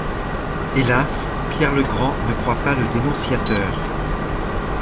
Hélas, Pierre le Grand ne croit pas le dénonciateur.